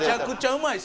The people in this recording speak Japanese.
うまい？